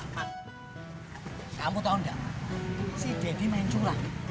mas kamu tau gak si daddy main curang